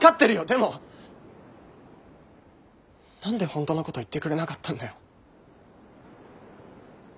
でも何でほんとのこと言ってくれなかったんだよ。